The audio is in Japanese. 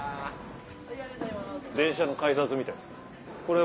電車の改札みたいですねこれは？